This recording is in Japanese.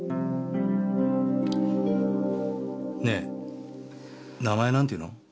ねえ名前なんていうの？